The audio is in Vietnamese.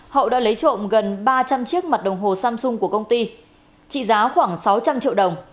hậu đã lấy trộm gần ba trăm linh chiếc mặt đồng hồ samsung của công ty trị giá khoảng sáu trăm linh triệu đồng